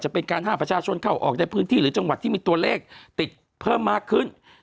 เป็นการห้ามประชาชนเข้าออกในพื้นที่หรือจังหวัดที่มีตัวเลขติดเพิ่มมากขึ้น